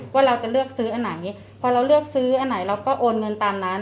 ว่าเราจะเลือกซื้ออันไหนพอเราเลือกซื้ออันไหนเราก็โอนเงินตามนั้น